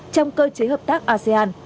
trong cơ chế hợp tác asean